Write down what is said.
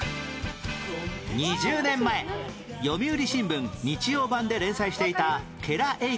２０年前『読売新聞日曜版』で連載していたけらえい